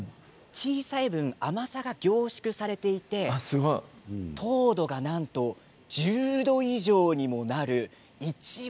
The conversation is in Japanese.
パプリカ小さいんですけれどその分、甘さが凝縮されていて糖度がなんと１０度以上にもなるいちご